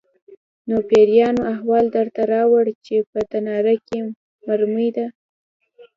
_نو پېريانو احوال درته راووړ چې په تناره کې مرمۍ ده؟